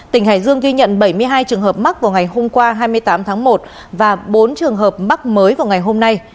tỉnh hải dương ghi nhận bảy mươi hai trường hợp mắc vào ngày hôm qua hai mươi tám tháng một và bốn trường hợp mắc mới vào ngày hôm nay